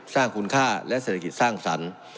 สร้างคุณค่าและเศรษฐกิจสร้างสรรค์